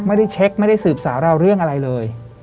ไม่ได้เช็คไม่ได้สืบสาวเราเรื่องอะไรเลย